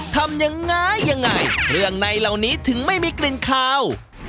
ทำยังไงยังไงเครื่องในเหล่านี้ถึงไม่มีกลิ่นคาว